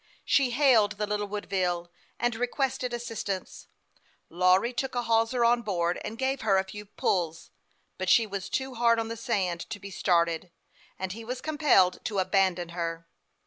She hailed the little Woodville, and requested assistance. Lawry took a hawser on board, and gave her a few pulls ; but she was too hard on the sand to be started, and he was com pelled to abandon her.